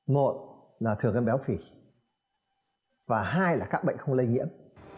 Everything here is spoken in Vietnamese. một là thường gân béo phỉ và hai là các bệnh không lây nhiễm